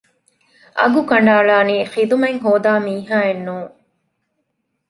އަގު ކަނޑައަޅަނީ ޚިދުމަތް ހޯދާ މީހާއެއް ނޫން